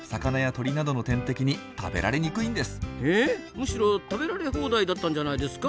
むしろ食べられ放題だったんじゃないですか？